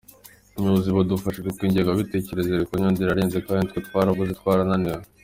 Ubuyobozi budufashe kuko ingengabitekerezo iri ku Nyundo irarenze kandi twe twaravuze twarananiwe.